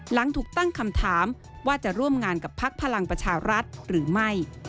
หลังถูกตั้งคำถามว่าจะร่วมงานกับพักพลังประชารัฐหรือไม่